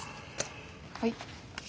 はい。